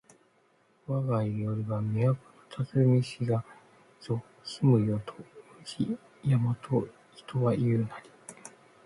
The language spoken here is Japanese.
わが庵は都のたつみしかぞ住む世を宇治山と人は言ふなり